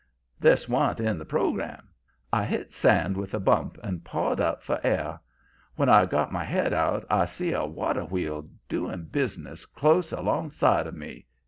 "This wa'n't in the program. I hit sand with a bump and pawed up for air. When I got my head out I see a water wheel doing business close along side of me.